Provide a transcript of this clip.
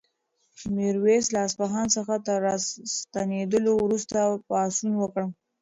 میرویس له اصفهان څخه تر راستنېدلو وروسته پاڅون وکړ.